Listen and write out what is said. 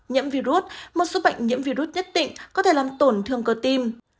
nhiễm virus một số bệnh nhiễm virus nhất định có thể làm tổn thương cơ tim